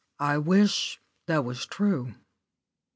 I wish that was true."